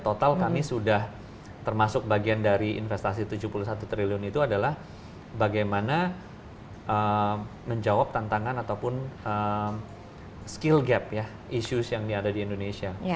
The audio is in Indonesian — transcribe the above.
total kami sudah termasuk bagian dari investasi tujuh puluh satu triliun itu adalah bagaimana menjawab tantangan ataupun skill gap ya isu yang ada di indonesia